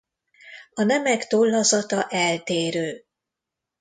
A nemek tollazata eltérő.